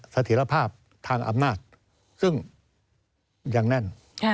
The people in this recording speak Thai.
ถียรภาพทางอำนาจซึ่งยังแน่น